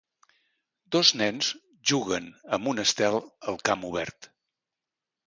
Dos nens juguen amb un estel al camp obert